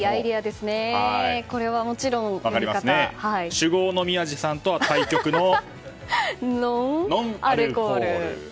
酒豪の宮司さんとは対極の「ノンアルコール」。